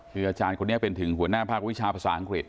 คืออาจารย์คนนี้เป็นถึงหัวหน้าภาควิชาภาษาอังกฤษ